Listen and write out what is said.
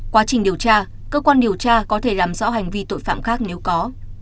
quá trình điều tra cơ quan điều tra có thể làm rõ hành vi tội phạm khác nếu có